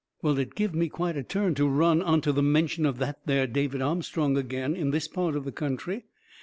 Well, it give me quite a turn to run onto the mention of that there David Armstrong agin in this part of the country.